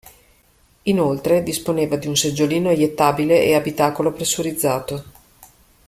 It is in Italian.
Inoltre disponeva di seggiolino eiettabile e abitacolo pressurizzato.